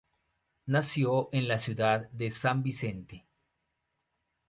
Nació en la ciudad de San Vicente.